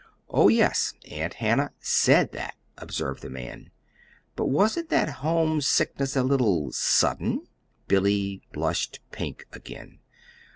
"Oh, yes, Aunt Hannah SAID that," observed the man; "but wasn't that homesickness a little sudden?" Billy blushed pink again.